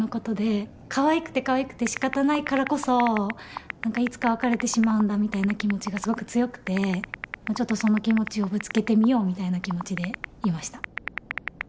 かわいくてかわいくてしかたないからこそいつか別れてしまうんだみたいな気持ちがすごく強くてちょっとその気持ちをぶつけてみようみたいな気持ちでいました。